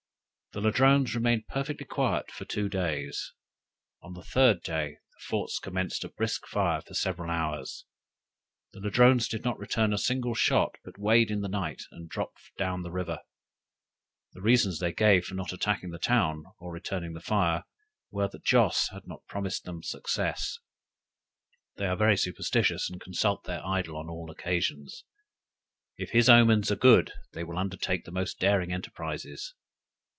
The Ladrones remained perfectly quiet for two days. On the third day the forts commenced a brisk fire for several hours: the Ladrones did not return a single shot, but weighed in the night and dropped down the river. The reasons they gave for not attacking the town, or returning the fire, were, that Joss had not promised them success. They are very superstitious, and consult their idol on all occasions. If his omens are good, they will undertake the most daring enterprises.